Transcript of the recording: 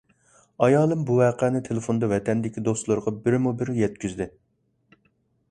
ئايالىم بۇ ۋەقەنى تېلېفوندا ۋەتەندىكى دوستلىرىغا بىرمۇبىر يەتكۈزدى.